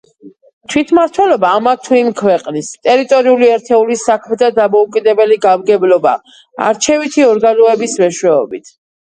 თვითმმართველობა ამა თუ იმ ქვეყნის, ტერიტორიული ერთეულის საქმეთა დამოუკიდებელი გამგებლობა, არჩევითი ორგანოების მეშვეობით.